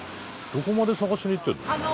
どこまで探しに行ってるの？